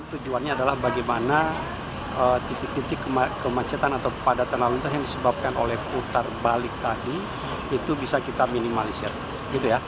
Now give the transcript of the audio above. tujuannya adalah bagaimana titik titik kemacetan atau padatan lalu lintas yang disebabkan oleh putar balik tadi itu bisa kita minimalisir